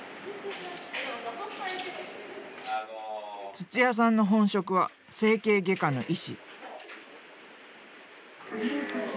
土屋さんの本職は整形外科の医師。